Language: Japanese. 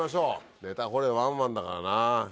ネタ掘れワンワンだからな。